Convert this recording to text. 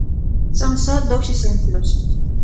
Son só dous exemplos.